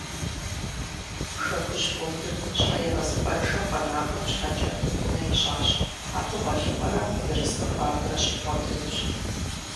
«Хэкужь» фондым щхьэегъэзыпӏэншэу къэнахэм щхьэкӏэ унэ ищӏащ. Абы гъуэлъыпӏэрэ ерыскъы хуабэрэ щыбгъуэтынущ.